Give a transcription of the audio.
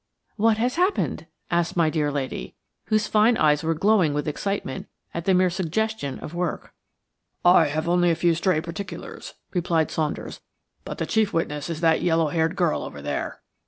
"What has happened?" asked my dear lady, whose fine eyes were glowing with excitement at the mere suggestion of work. "I have only a few stray particulars," replied Saunders, "but the chief witness is that yellow haired girl over there.